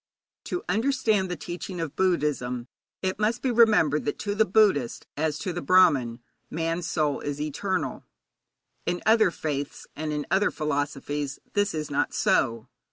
_ To understand the teaching of Buddhism, it must be remembered that to the Buddhist, as to the Brahmin, man's soul is eternal. In other faiths and other philosophies this is not so.